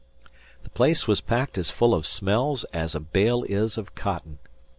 The place was packed as full of smells as a bale is of cotton.